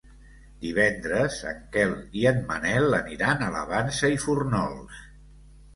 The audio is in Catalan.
Divendres en Quel i en Manel aniran a la Vansa i Fórnols.